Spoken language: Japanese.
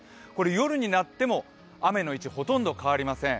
夜になっても雨の位置、ほとんど変わりません。